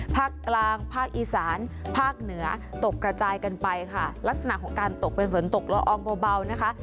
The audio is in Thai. ภาคกลางภาคอีสานภาคเหนือตกกระจายกันไปค่ะลักษณะของการตกเป็นฝนตกละอองเบานะคะ